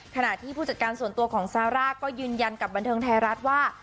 ขณะที่ผู้จัดการส่วนตัวของซาร่าก็ยืนยันกับบันเทิงไทยรัฐว่า